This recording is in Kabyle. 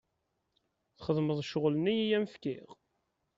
Txedmeḍ ccɣel-nni i am-fkiɣ?